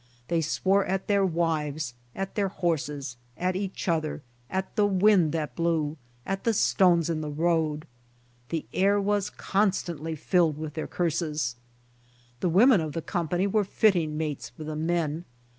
They swore at their wives, at their horses, at each other, at the wind that blew, at the stones in the road. The air was constantly filled with their curses. The women of the company were fitting mates for the men.